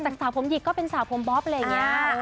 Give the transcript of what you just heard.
จากสาวผมหยิกก็เป็นสาวผมบ๊อบอะไรอย่างนี้